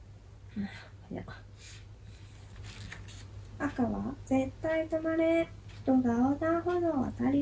赤は絶対止まれ。